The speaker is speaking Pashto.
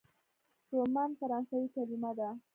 رومان فرانسوي کلمه ده.